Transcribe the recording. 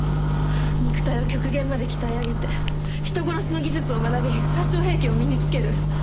肉体を極限まで鍛え上げて人殺しの技術を学び殺傷兵器を身につける。